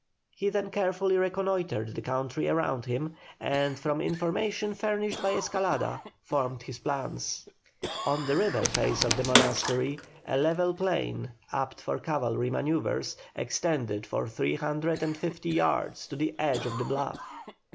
He then carefully reconnoitered the country round him, and from information furnished by Escalada formed his plans. On the river face of the monastery a level plain, apt for cavalry manœuvres, extended for three hundred and fifty yards to the edge of the bluff.